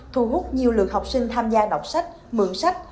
thu hút nhiều lượt học sinh tham gia đọc sách mượn sách